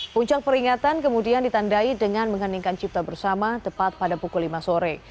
puncak peringatan kemudian ditandai dengan mengheningkan cipta bersama tepat pada pukul lima sore